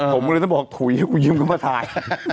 ผมก็เลยต้องบอกถุยกูยืมเขามาถ่าย